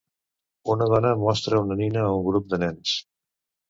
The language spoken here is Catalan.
Una dona mostra una nina a un grup de nens.